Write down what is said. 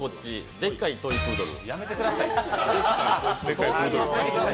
でっかいトイプードル。